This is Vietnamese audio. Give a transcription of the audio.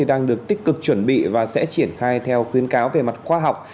đang được tích cực chuẩn bị và sẽ triển khai theo khuyến cáo về mặt khoa học